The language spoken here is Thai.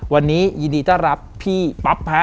วันนี้ยินดีจะรับพี่ป๊อบพระ